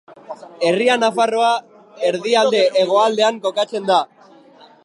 Herria Nafarroa erdialde-hegoaldean kokatzen da.